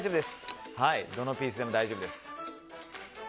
どのピースでも大丈夫です。